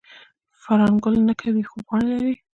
فرن ګل نه کوي خو پاڼې لري